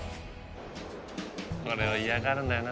これは嫌がるんだよな